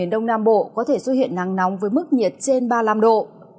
đông nam bộ có thể xuất hiện nắng nóng với mức nhiệt trên ba mươi năm độ